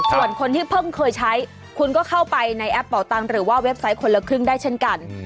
ส่วนคนที่เพิ่งเคยใช้คุณก็เข้าไปในแอปเป่าตังค์หรือว่าเว็บไซต์คนละครึ่งได้เช่นกัน